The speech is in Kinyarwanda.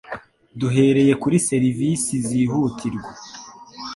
Duhereye kuri serivisi zihutirwa